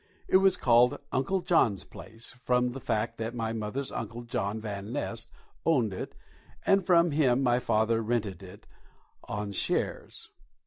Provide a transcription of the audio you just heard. It was called "Uncle John's Place" from the fact that my mother's uncle, John Van Nest, owned it, and from him my father rented it "on shares."